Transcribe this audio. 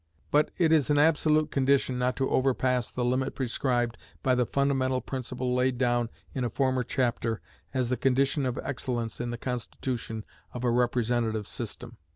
But it is an absolute condition not to overpass the limit prescribed by the fundamental principle laid down in a former chapter as the condition of excellence in the constitution of a representative system.